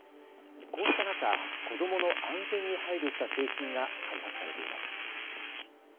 こうした中、子どもの安全に配慮した製品が開発されています。